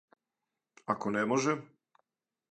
Ако не може?